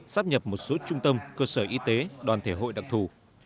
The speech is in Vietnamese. sắp nhập một số trung tâm cơ sở y tế đoàn thể hội đặc thù